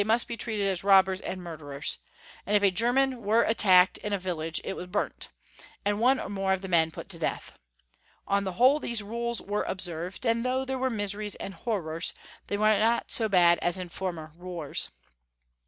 must be treated as robbers and murderers ; and if a Geiman were attacked in a viUage, it was burnt, and one or more of the men put to death. On the whole, these rules were observed ; and though there were miseries and horrors, they were not so bad as in former wars.